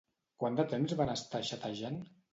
Quant de temps van estar xatejant?